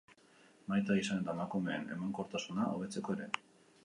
Baita gizon eta emakumeen emankortasuna hobetzeko ere.